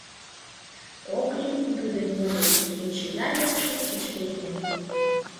Ок лӱд тудо нимо деч, кеч ия лекше, кеч керемет.